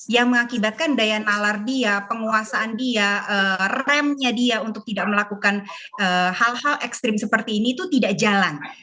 yang mengakibatkan daya nalar dia penguasaan dia remnya dia untuk tidak melakukan hal hal ekstrim seperti ini itu tidak jalan